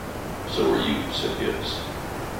"So are you," said Gibbs.